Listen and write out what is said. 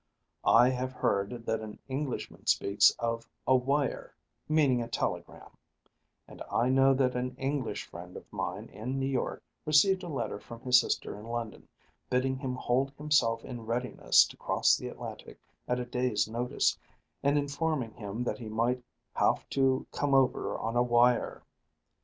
I have heard that an Englishman speaks of a wire, meaning a telegram; and I know that an English friend of mine in New York received a letter from his sister in London, bidding him hold himself in readiness to cross the Atlantic at a day's notice, and informing him that he might "have to come over on a wire."